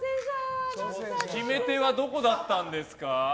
決め手はどこだったんですか？